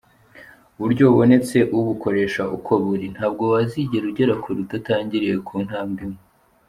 Uburyo bubonetse ubukoresha uko buri, ntabwo wazigera ugera kure udatangiriye ku ntambwe imwe.